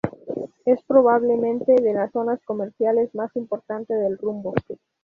Es probablemente de las zonas comerciales más importante del rumbo.